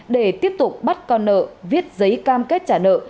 để tiếp tục bắt con nợ viết giấy cam kết trả nợ